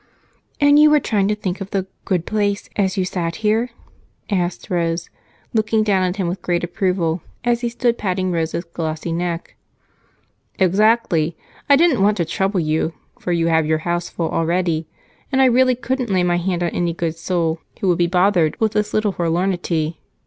"And you were trying to think of the 'good place' as you sat here?" asked Rose, looking down at him with great approval as he stood patting Rosa's glossy neck. "Exactly. I didn't want to trouble you, for you have your house full already, and I really couldn't lay my hand on any good soul who would be bothered with this little forlornity.